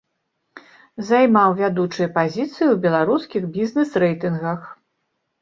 Займаў вядучыя пазіцыі ў беларускіх бізнес-рэйтынгах.